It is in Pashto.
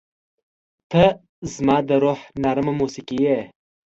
• ته زما د روح نرمه موسیقي یې.